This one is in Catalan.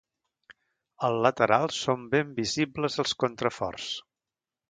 Al lateral són ben visibles els contraforts.